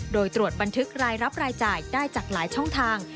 โดยตรวจบันทึกรายรับรายจ่ายได้จากหลายช่องทาง